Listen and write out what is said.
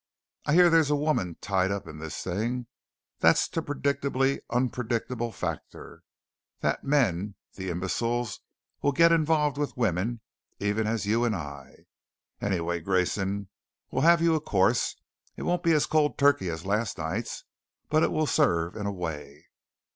"I hear there's a woman tied up in this thing. That's the predictably unpredictable factor, that men, the imbeciles, will get involved with women even as you and I. Anyway, Grayson, we'll have you a course. It won't be as cold turkey as last night's, but it will serve in a way."